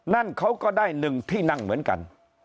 นั่นเขาก็ได้๑ที่นั่งเหมือนกัน